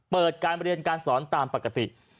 เปิดการเรียนการสอนตามปกติ